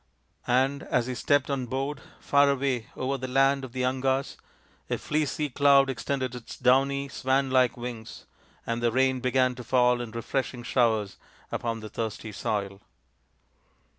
And as he stepped on board, far away, over the land of the Angas, a fleecy cloud extended its downy, swan like wings and the rain began to fall in refresh ing showers upon the thirsty soil.